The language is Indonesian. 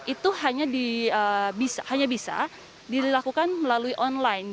itu hanya bisa dilakukan melalui online